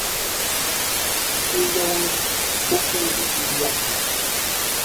Tuu jawang u fiin ng ja.